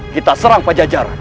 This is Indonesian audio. kita serang pajajara